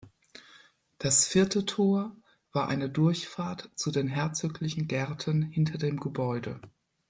Das vierte Tor war eine Durchfahrt zu den herzöglichen Gärten hinter dem Gebäude.